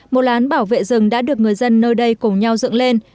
một lán bảo vệ rừng đã được người dân nơi đây cùng nhau dựng lên